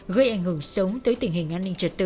gây ảnh hưởng xấu tới tình hình an ninh trật tự